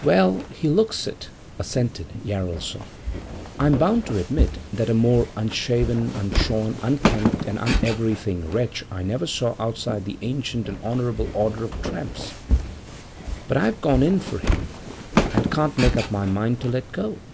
'Well, he looks it,' assented Jaralson. 'I'm bound to admit that a more unshaven, unshorn, unkempt, and uneverything wretch I never saw outside the ancient and honourable order of tramps. But I've gone in for him, and can't make up my mind to let go.